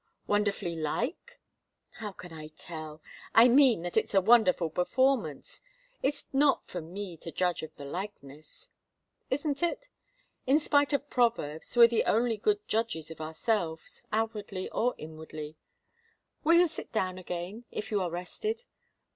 "Wonderfully like?" "How can I tell? I mean that it's a wonderful performance. It's not for me to judge of the likeness." "Isn't it? In spite of proverbs, we're the only good judges of ourselves outwardly or inwardly. Will you sit down again, if you are rested?